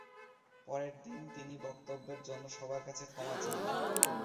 পরের দিন তিনি তার বক্তব্যের জন্য সবার কাছে ক্ষমা চান।